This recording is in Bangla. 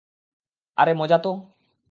আরে মজা তো!